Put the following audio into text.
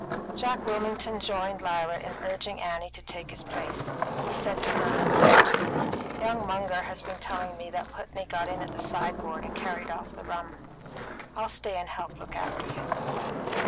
Jack Wilmington joined Lyra in urging Annie to take his place. He said to her, apart, "Young Munger has been telling me that Putney got at the sideboard and carried off the rum. I'll stay and help look after him."